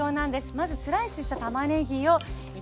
まずスライスしたたまねぎを炒めていきます。